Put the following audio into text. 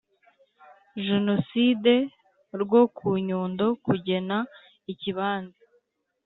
Jenoside rwo ku Nyundo kugena ikibanza